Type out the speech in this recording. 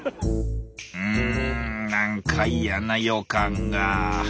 うんなんか嫌な予感が。